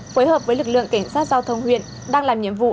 phối hợp với lực lượng cảnh sát giao thông huyện đang làm nhiệm vụ